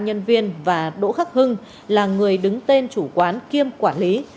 một mươi ba nhân viên và đỗ khắc hưng là người đứng tên chủ quán kiêm quản lý